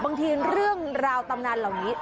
บางทีเรื่องราวตำนานเหล่านี้